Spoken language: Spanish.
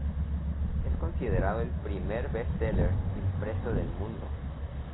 Es considerado el "primer bestseller impreso del mundo".